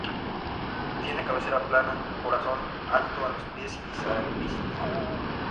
Tiene cabecera plana, corazón alto a los pies y sacristía.